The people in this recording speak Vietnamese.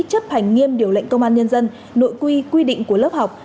chấp hành nghiêm điều lệnh công an nhân dân nội quy quy định của lớp học